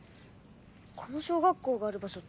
この小学校がある場所